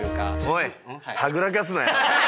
おいはぐらかすなよ。